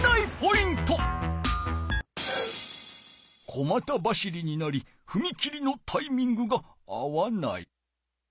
小また走りになりふみ切りのタイミングが合わない。